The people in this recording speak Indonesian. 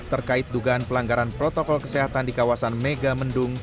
terkait dugaan pelanggaran protokol kesehatan di kawasan mega mendung